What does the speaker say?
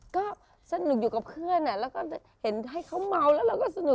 ก็สนุกอยู่กับเพื่อนแล้วก็เห็นให้เขาเมาแล้วเราก็สนุก